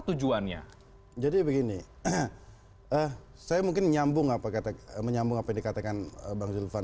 tujuannya jadi begini saya mungkin nyambung apa kata menyambung apa yang dikatakan bang zulfan